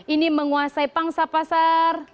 ini menguasai pangsa pasar